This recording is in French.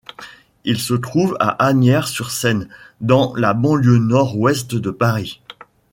Il se trouve à Asnières-sur-Seine, dans la banlieue nord-ouest de Paris.